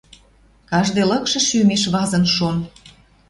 Каждый лыкшы шӱмеш вазын шон.